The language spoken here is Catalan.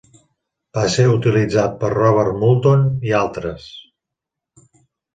Va ser utilitzat per Robert Muldoon i altres.